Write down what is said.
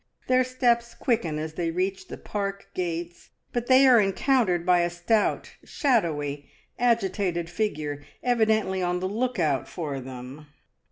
Their steps quicken as they reach the park gates, but they are encountered by a stout, shadowy, agitated figure, evidently on the look out for them.